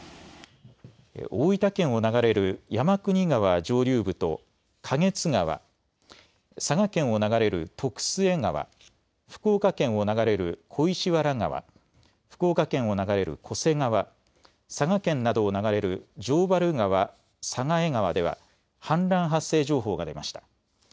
大分県を流れる山国川上流部と花月川、佐賀県を流れる徳須恵川、福岡県を流れる小石原川、福岡県を流れる巨瀬川、佐賀県などを流れる城原川、佐賀江川では氾濫発生情報が出ました。